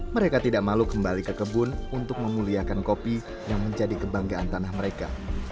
mereka tidak malu kembali ke kebun untuk memuliakan kopi yang menjadi kebanggaan tanah mereka